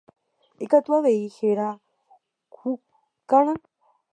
Ikatu avei héra hurakã.